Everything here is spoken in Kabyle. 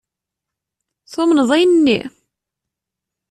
Tumned ayen-nni?